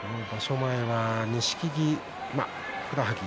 前は錦木、ふくらはぎ